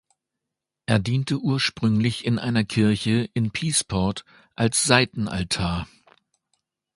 Er diente ursprünglich in einer Kirche in Piesport als Seitenaltar.